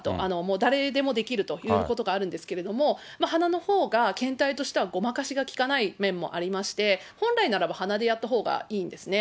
誰でもできるということがあるんですけれども、鼻のほうが検体としてはごまかしが利かない面もありまして、本来ならば、鼻でやったほうがいいんですね。